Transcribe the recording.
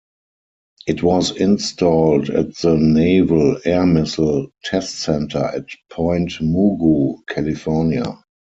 It was installed at the Naval Air Missile Test Center at Point Mugu, California.